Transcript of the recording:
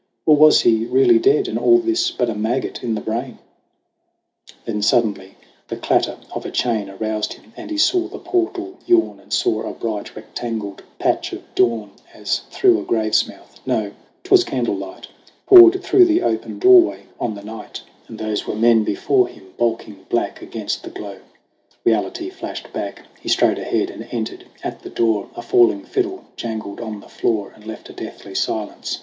Or was he really dead, And all this but a maggot in the brain ? Then suddenly the clatter of a chain Aroused him, and he saw the portal yawn And saw a bright rectangled patch of dawn As through a grave's mouth no, 'twas candle light Poured through the open doorway on the night ; THE RETURN OF THE GHOST 107 And those were men before him, bulking black Against the glow. Reality flashed back; He strode ahead and entered at the door. A falling fiddle jangled on the floor And left a deathly silence.